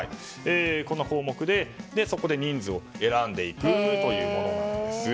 この項目で人数を選んでいくというものなんです。